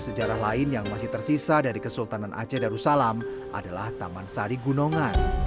maka yang lain yang masih tersisa dari kesultanan aceh darussalam adalah taman sari gunongan